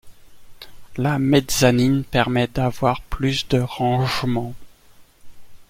la mezzanine permet d'avoir plus de rangement